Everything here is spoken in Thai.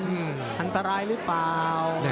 อันตรายหรือเปล่า